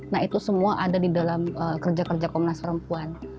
nah itu semua ada di dalam kerja kerja komnas perempuan